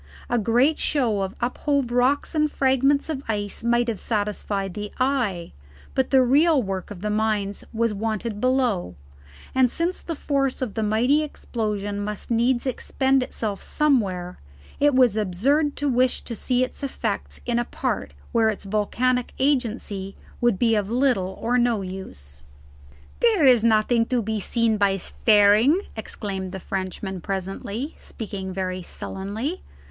A great show of uphove rocks and fragments of ice might have satisfied the eye; but the real work of the mines was wanted below; and since the force of the mighty explosion must needs expend itself somewhere, it was absurd to wish to see its effects in a part where its volcanic agency would be of little or no use. "There is nothing to be seen by staring!" exclaimed the Frenchman presently, speaking very sullenly.